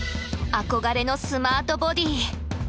憧れのスマートボディー！